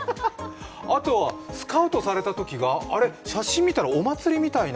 あとはスカウトされたときがあれ、写真見たらお祭りみたいな？